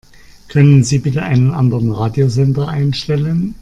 Können Sie bitte einen anderen Radiosender einstellen?